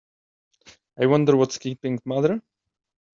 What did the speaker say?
I wonder what's keeping mother?